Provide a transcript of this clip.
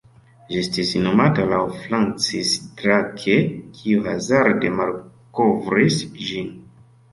Ĝi estis nomata laŭ Francis Drake, kiu hazarde malkovris ĝin.